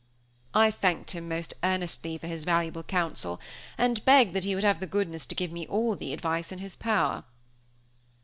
I thanked him most earnestly for his valuable counsel, and begged that he would have the goodness to give me all the advice in his power.